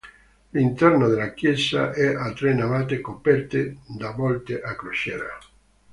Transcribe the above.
L'interno della chiesa è a tre navate coperte da volte a crociera.